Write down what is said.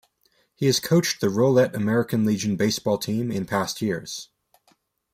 He has coached the Rolette American Legion baseball team in past years.